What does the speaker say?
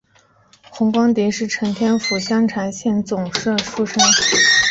洪光迪是承天府香茶县永治总明乡社出生。